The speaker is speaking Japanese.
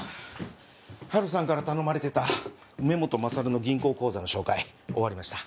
春さんから頼まれてた梅本勝の銀行口座の照会終わりました。